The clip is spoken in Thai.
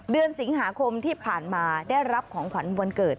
เดือนสิงหาคมที่ผ่านมาได้รับของขวัญวันเกิด